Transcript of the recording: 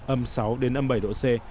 âm sáu đến âm bảy độ c